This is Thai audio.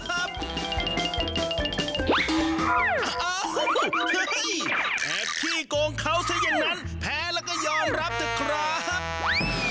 แทบที่โกงเขาซะอย่างนั้นแพ้แล้วก็ยอมรับสิครับ